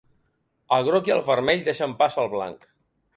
El groc i el vermell deixen pas al blanc.